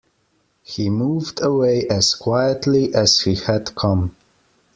He moved away as quietly as he had come.